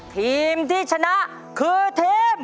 ทีมที่ชนะคือทีม